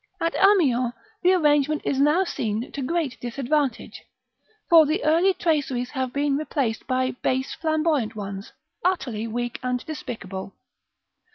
At Amiens the arrangement is now seen to great disadvantage, for the early traceries have been replaced by base flamboyant ones, utterly weak and despicable.